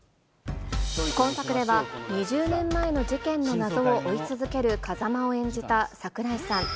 今作では、２０年前の事件の謎を追いかける風真を演じた櫻井さん。